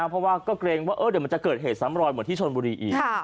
เพราะว่าก็เกรงว่าเดี๋ยวมันจะเกิดเหตุซ้ำรอยเหมือนที่ชนบุรีอีก